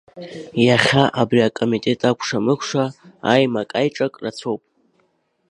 Иахьа абри акомитет акәша-мыкәша аимак-аиҿак рацәоуп.